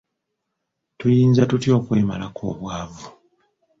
Tuyinza tutya okwemalako obwavu?